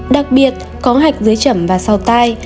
đặc biệt có hạch dưới chẩm và sau tai